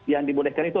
yang dibolehkan itu